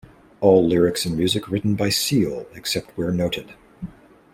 All lyrics and music written by Seal, except where noted.